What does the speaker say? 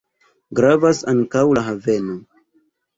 Gravas ankaŭ la haveno.